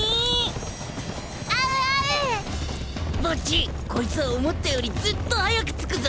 ボッジこいつは思ったよりずっと早く着くぞ。